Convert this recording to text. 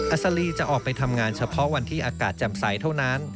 ศรีจะออกไปทำงานเฉพาะวันที่อากาศแจ่มใสเท่านั้น